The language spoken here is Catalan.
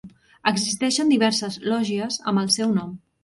Existeixen diverses lògies amb el seu nom.